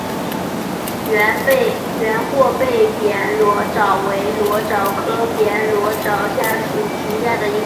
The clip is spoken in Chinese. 圆货贝扁裸藻为裸藻科扁裸藻属下的一个种。